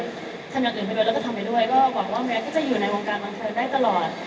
ทำอย่างอื่นไปด้วยแล้วก็ทำไปด้วยก็หวังว่าแม้ก็จะอยู่ในวงการบันเทิงได้ตลอด